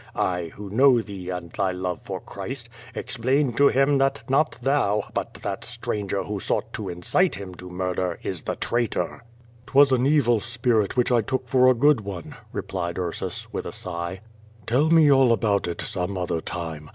I, who know thee and tliy love for Christ, explained to him that not thou, but tliat stranger who sought to incite him to murder, is the traitor." i8i l82 Q^O VADI8, ^'^Twas an evil spirit which I took for a good one/' re replied Ursus, with a sigh. "Tell me all about it some other time.